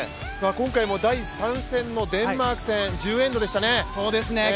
今回も第３戦のデンマーク戦１０エンドでしたね。